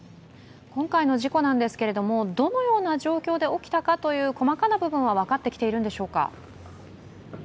今回の事故ですけれども、どのような状況で起きたかという細かな部分は分かってきているんでしょうか？